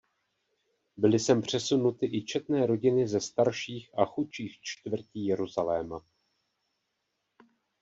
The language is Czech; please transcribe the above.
Byly sem přesunuty i četné rodiny ze starších a chudších čtvrtí Jeruzaléma.